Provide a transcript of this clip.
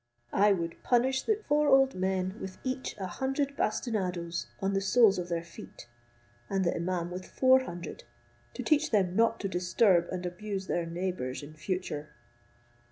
I would punish the four old men with each a hundred bastinadoes on the soles of their feet, and the imaum with four hundred, to teach them not to disturb and abuse their neighbours in future."